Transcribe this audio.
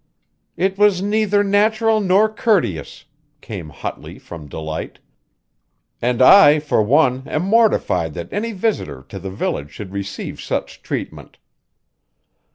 "It was neither natural nor courteous," came hotly from Delight, "and I for one am mortified that any visitor to the village should receive such treatment."